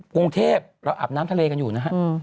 กรุงเทพเราอาบน้ำทะเลกันอยู่นะฮะ